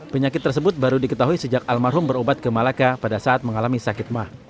penyakit tersebut baru diketahui sejak almarhum berobat ke malaka pada saat mengalami sakit mah